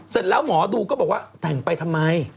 เสร็จแล้วหมอดูก็บอกว่าแต่งไปทำไม